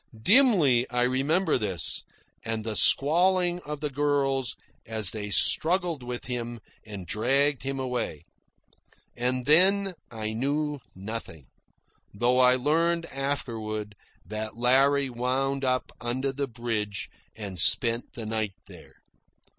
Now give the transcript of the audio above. Dimly I remember this, and the squalling of the girls as they struggled with him and dragged him away. And then I knew nothing, though I learned afterward that Larry wound up under the bridge and spent the night there.